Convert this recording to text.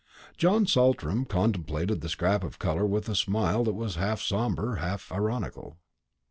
John Saltram contemplated the scrap of colour with a smile that was half sombre, half ironical.